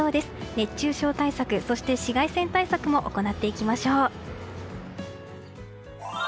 熱中症対策、そして紫外線対策も行っていきましょう。